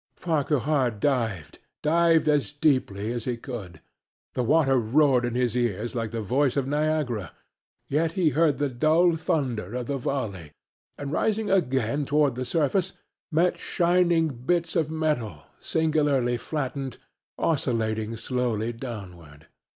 Farquhar dived dived as deeply as he could. The water roared in his ears like the voice of Niagara, yet he heard the dulled thunder of the volley and, rising again toward the surface, met shining bits of metal, singularly flattened, oscillating slowly downward.